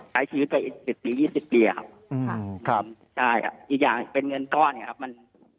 ใช้ชีวิตไปอีก๑๐ปี๒๐ปีครับอีกอย่างเป็นเงินต้อน